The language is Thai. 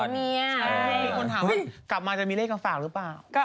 มีคนถามว่ากลับมาจะมีเลขมาฝากหรือเปล่า